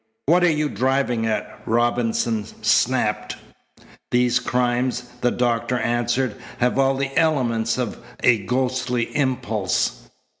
"What are you driving at?" Robinson snapped. "These crimes," the doctor answered, "have all the elements of a ghostly impulse."